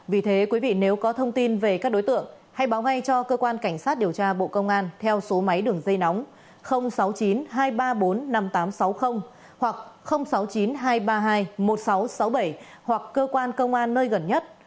vì thế quý vị nếu có thông tin về các đối tượng hãy báo ngay cho cơ quan cảnh sát điều tra bộ công an theo số máy đường dây nóng sáu mươi chín hai trăm ba mươi bốn năm nghìn tám trăm sáu mươi hoặc sáu mươi chín hai trăm ba mươi hai một nghìn sáu trăm sáu mươi bảy hoặc cơ quan công an nơi gần nhất